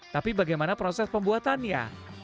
tapi bagaimana proses pembuatan ya